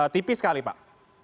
tipis sekali pak